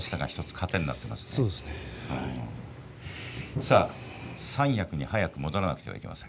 早く三役に戻らなくてはいけません。